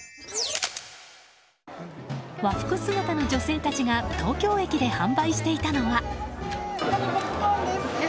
和服姿の女性たちが東京駅で販売していたのは。